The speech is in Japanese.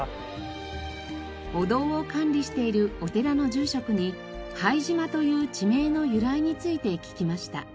お堂を管理しているお寺の住職に拝島という地名の由来について聞きました。